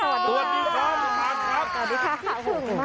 สวัสดีค่ะ